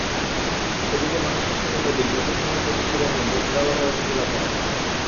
ছবিতে মানুষের সঙ্গে নদীর, নদীর সঙ্গে প্রকৃতির বন্ধন বেশ জোরালোভাবে প্রতিভাত হয়।